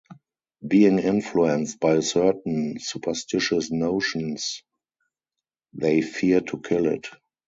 Being influenced by certain superstitious notions, they fear to kill it.